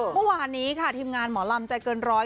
เมื่อวานนี้ค่ะทีมงานหมอลำใจเกินร้อย